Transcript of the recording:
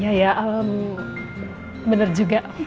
ya ya benar juga